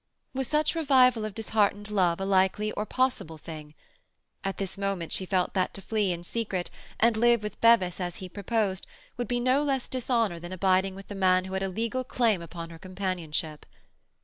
Was such revival of disheartened love a likely or a possible thing? At this moment she felt that to flee in secret, and live with Bevis as he proposed, would be no less dishonour than abiding with the man who had a legal claim upon her companionship.